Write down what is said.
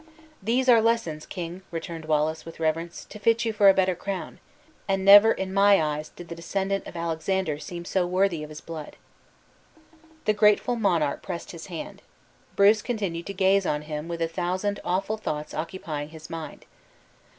"These are lessons, king," returned Wallace, with reverence, "to fit you for a better crown. And never in my eyes did the descendant of Alexander seem so worthy of his blood!" The grateful monarch pressed his hand. Bruce continued to gaze on him with a thousand awful thoughts occupying his mind.